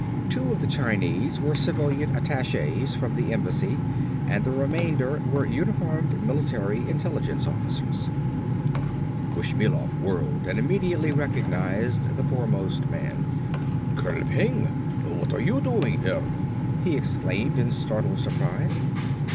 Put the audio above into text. Two of the Chinese were civilian attachés from the embassy and the remainder were uniformed, military intelligence officers. Bushmilov whirled and immediately recognized the foremost man. "Colonel Peng! What are you doing here?" he exclaimed in startled surprise.